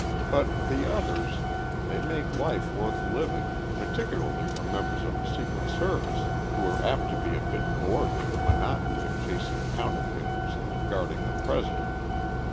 But the others they make life worth living, particularly for members of the Secret Service, who are apt to be a bit bored with the monotony of chasing counterfeiters and guarding the President.